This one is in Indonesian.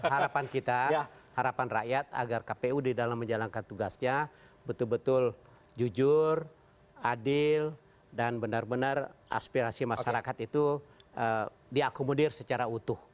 harapan kita harapan rakyat agar kpu di dalam menjalankan tugasnya betul betul jujur adil dan benar benar aspirasi masyarakat itu diakomodir secara utuh